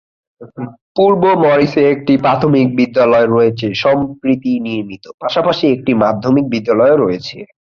পূর্ব মরিসে একটি প্রাথমিক বিদ্যালয় রয়েছে, সম্প্রতি নির্মিত, পাশাপাশি একটি মাধ্যমিক বিদ্যালয় রয়েছে।